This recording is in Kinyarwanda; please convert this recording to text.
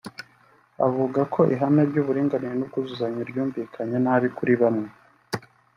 avuga ko ihame ry’uburinganire n’ubwuzuzanye ryumvikanye nabi kuri bamwe